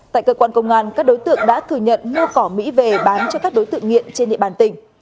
tại cơ quan công an các đối tượng đã thừa nhận mua cỏ mỹ về bán cho các đối tượng nghiện trên địa bàn tỉnh